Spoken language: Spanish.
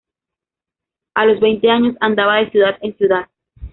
A los veinte años, andaba de ciudad en ciudad.